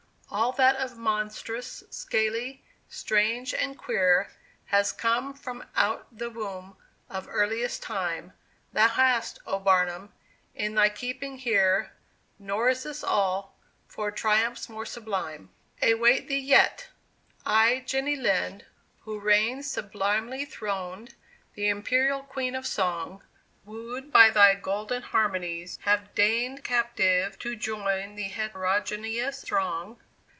All that of monstrous, scaly, strange and queer, Has come from out the womb of earliest time, Thou hast, O Barnum, in thy keeping here, Nor is this all for triumphs more sublime Await thee yet! I, Jenny Lind, who reigned Sublimely throned, the imperial queen of song, Wooed by thy golden harmonies, have deigned Captive to join the heterogeneous throng.